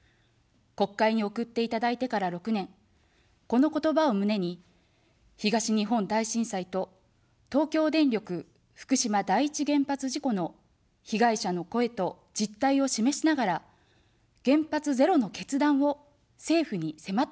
国会に送っていただいてから６年、この言葉を胸に、東日本大震災と、東京電力福島第一原発事故の被害者の声と実態を示しながら、原発ゼロの決断を政府にせまってきました。